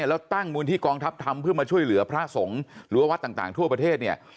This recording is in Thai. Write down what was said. แล้วตั้งมุยนที่กองทัพทำเพื่อมาช่วยเหลือพระสงฆ์หรือวัดต่างทั่วประเทศ